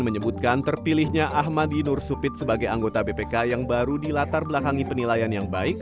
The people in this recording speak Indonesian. menyebutkan terpilihnya ahmadi nur supit sebagai anggota bpk yang baru dilatar belakangi penilaian yang baik